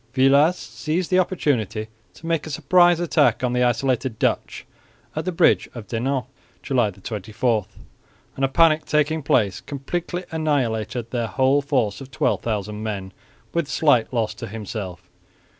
Villars seized the opportunity to make a surprise attack on the isolated Dutch at the bridge of Denain (July 24) and, a panic taking place, completely annihilated their whole force of 12,000 men with slight loss to himself.